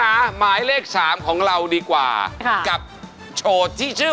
วันที่เธอพบมันในหัวใจฉัน